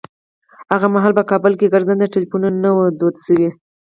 هغه مهال په کابل کې ګرځنده ټليفونونه نه وو دود شوي.